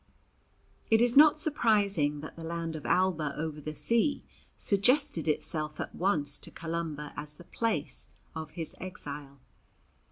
It is not surprising that the land of Alba over the sea suggested itself at once to Columba as the place of his exile.